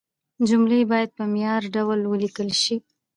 جملې باید په معياري ډول ولیکل شي.